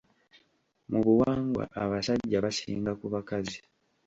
Mu buwangwa abasajja basinga ku bakazi.